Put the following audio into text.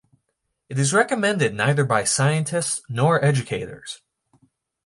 It is recommended neither by scientists nor educators.